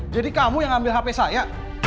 kamu yang ambil hp saya